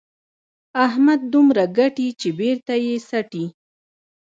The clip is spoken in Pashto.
احمد دومره ګټي چې بېرته یې څټي.